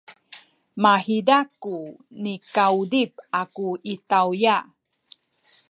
mahiza ku nikauzip aku i tawya.